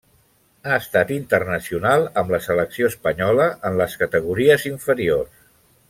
Ha estat internacional amb la selecció espanyola en les categories inferiors.